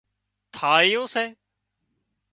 ٿاۯيون سي